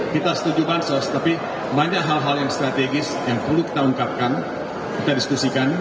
kita setuju bansos tapi banyak hal hal yang strategis yang perlu kita ungkapkan kita diskusikan